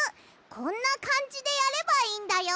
こんなかんじでやればいいんだよ。